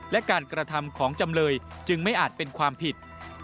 และการกระทำของจำเลยจึงไม่อาจเป็นความผิด